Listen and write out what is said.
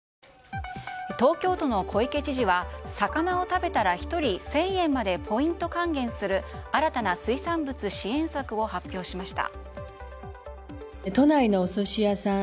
東京都の小池知事は魚を食べたら１人１０００円までポイント還元する新たな水産物支援策を発表しました。